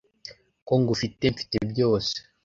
Ko ngufite mfite byose